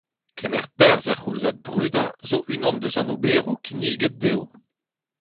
Kemer perzh er c'houlzad brudañ zo unan eus an oberoù kinniget dezho.